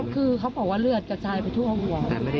คือเขาบอกว่าเลือดกระจายไปทั่วหัว